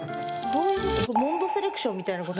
どういうこと？